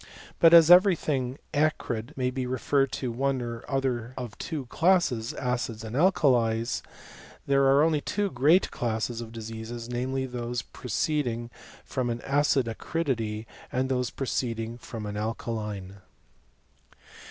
But as every thing acrid may be referred to one or other of two classes, acids and alkalies, there are only two great classes of diseases ; namely, those proceeding from an acid acridity, and those proceed ing from an alkaline.